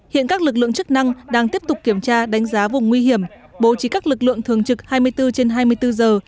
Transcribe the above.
hiện các lực lượng chức năng đang tiếp tục kiểm tra đánh giá vùng nguy hiểm bố trí các lực lượng thường trực hai mươi bốn trên hai mươi bốn giờ